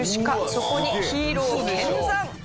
そこにヒーロー見参！